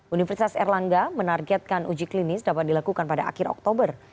universitas erlangga menargetkan uji klinis dapat dilakukan pada akhir oktober